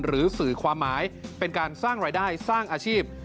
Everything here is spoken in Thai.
หรือสื่อความหมายเป็นการสร้างรายได้สร้างอาชีพ